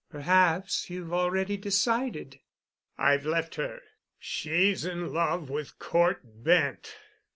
Perhaps you've already decided." "I've left her—she's in love with Cort Bent.